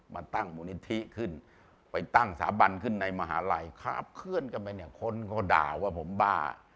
มาตั้งมูลนิธิขึ้นไปตั้งสถาบันขึ้นในมหาลัยคาบเคลื่อนกันไปเนี่ยคนก็ด่าว่าผมบ้า